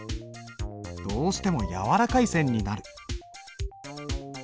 どうしても柔らかい線になる。